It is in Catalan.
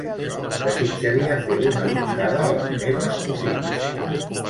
Desitjaria fer una trucada a les meves cosines.